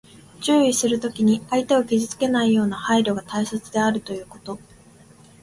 注意するときに、相手を傷つけないような配慮が大切であるということ。